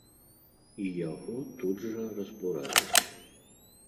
І яго тут жа разбураюць.